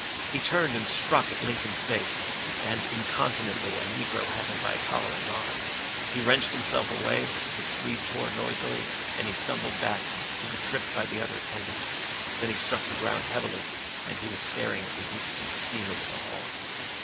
He turned and struck at Lincoln's face, and incontinently a negro had him by collar and arm. He wrenched himself away, his sleeve tore noisily, and he stumbled back, to be tripped by the other attendant. Then he struck the ground heavily and he was staring at the distant ceiling of the hall.